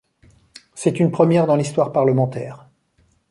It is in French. C'est une première dans l'histoire parlementaire.